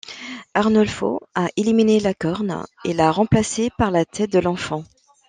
Arnolfo a éliminé la corne et l'a remplacée par la tête de l'enfant.